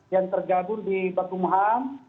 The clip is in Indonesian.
yang tergabung di bakung ham